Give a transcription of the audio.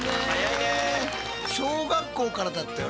小学校からだったよね？